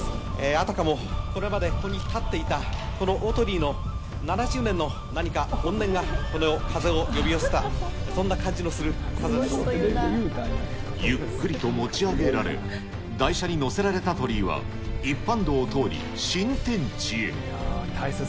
あたかもこれまでここに建っていたこの大鳥居の７０年の何か怨念が、この風を呼び寄せた、ゆっくりと持ち上げられ、台車に載せられた鳥居は一般道を通り新天地へ。